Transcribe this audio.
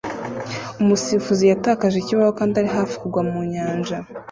Umusifuzi yatakaje ikibaho kandi ari hafi kugwa mu nyanja